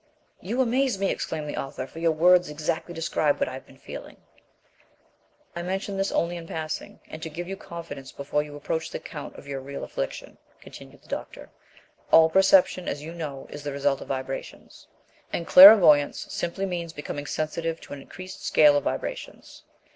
"You amaze me!" exclaimed the author; "for your words exactly describe what I have been feeling " "I mention this only in passing, and to give you confidence before you approach the account of your real affliction," continued the doctor. "All perception, as you know, is the result of vibrations; and clairvoyance simply means becoming sensitive to an increased scale of vibrations.